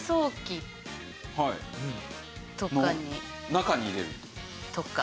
中に入れる？とか。